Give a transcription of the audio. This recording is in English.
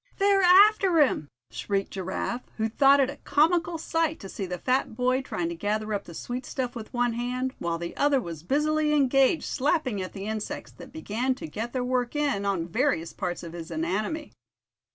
"They're after him!" shrieked Giraffe, who thought it a comical sight to see the fat boy trying to gather up the sweet stuff with one hand, while the other was busily engaged slapping at the insects that began to get their work in on various parts of his anatomy.